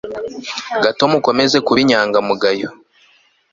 gato mukomeze kuba inyangamugayo